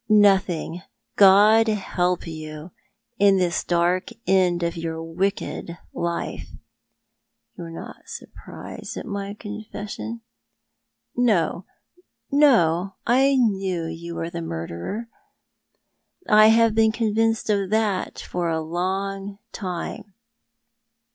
" Nothing. God help you in this dark end of your wicked life !"" You are not surprised at my confession? " "No, no. I knew you were the murderer. I have been convinced of that for a long time.